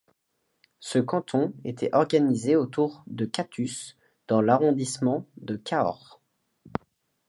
Ce canton était organisé autour de Catus dans l'arrondissement de Cahors.